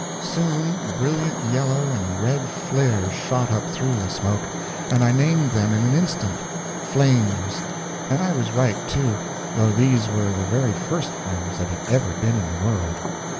Soon brilliant yellow and red flares shot up through the smoke, and I named them in an instant flames and I was right, too, though these were the very first flames that had ever been in the world.